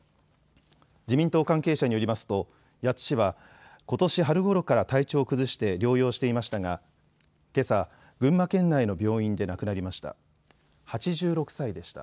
自民党関係者によりますと谷津氏はことし春ごろから体調を崩して療養していましたがけさ、群馬県内の病院で亡くなりました。